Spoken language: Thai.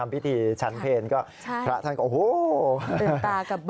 ระพะทั้ง๔รูป